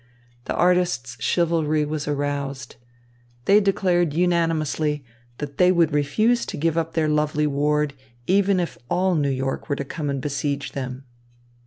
The artists' chivalry was aroused. They declared unanimously that they would refuse to give up their lovely ward, even if all New York were to come and besiege them.